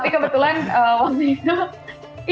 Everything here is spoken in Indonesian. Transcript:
tapi kebetulan waktu itu